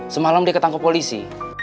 semalam dia ketangkep polisi